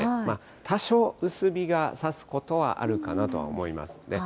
多少、薄日がさすことはあるかなとは思います。